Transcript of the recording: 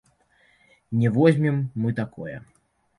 Не возім мы такое.